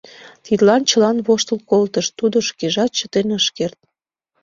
Тидлан чылан воштыл колтышт, тудо шкежат чытен ыш керт.